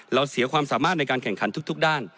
เสียความสามารถในการแข่งขันทุกด้าน